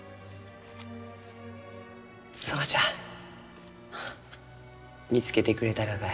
園ちゃん見つけてくれたがかえ？